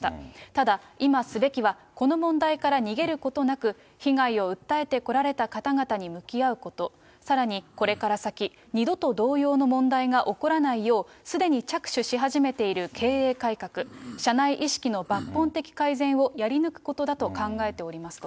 ただ、今すべきは、この問題から逃げることなく、被害を訴えてこられた方々に向き合うこと、さらにこれから先、二度と同様の問題が起こらないよう、すでに着手し始めている経営改革、社内意識の抜本的改善をやり抜くことだと考えておりますと。